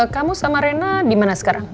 kamu sama rena dimana sekarang